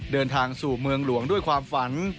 เดินทางสู่เมืองหลวงด้วยความฝัน